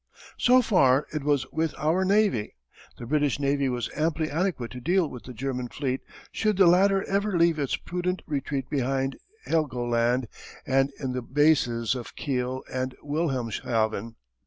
So too it was with our navy. The British Navy was amply adequate to deal with the German fleet should the latter ever leave its prudent retreat behind Helgoland and in the bases of Kiel and Wilhelmshaven.